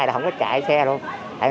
là không có chạy xe luôn